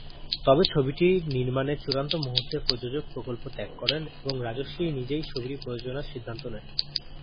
তবে ছবিটির নির্মানের চূড়ান্ত মুহূর্তে প্রযোজক প্রকল্প ত্যাগ করেন এবং রাজশ্রী নিজেই ছবিটি প্রযোজনার সিদ্ধান্ত নেন।